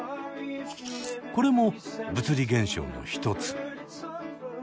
これも物理現象の一つ。